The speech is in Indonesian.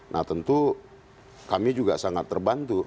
nah tentu kami juga sangat terbantu